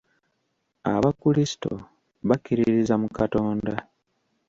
Abakulisito bakkiririza mu Katonda.